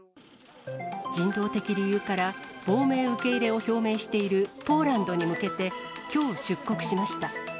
人道的理由から亡命受け入れを表明しているポーランドに向けて、きょう、出国しました。